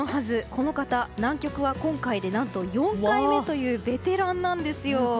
この方、南極は今回で４回目というベテランなんです。